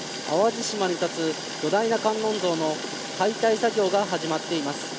淡路島に立つ巨大な観音像の解体作業が始まっています。